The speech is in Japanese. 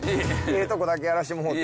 えぇトコだけやらしてもうて。